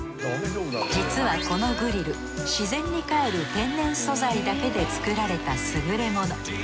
実はこのグリル自然にかえる天然素材だけで作られた優れもの。